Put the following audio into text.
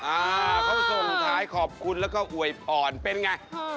เขาส่งถ่ายขอบคุณแล้วก็อวยพรเป็นอย่างไร